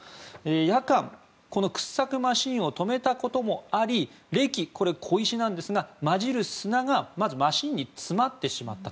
夜間、この掘削マシーンを止めたこともあり礫、小石がまじる砂がまずマシンに詰まってしまった。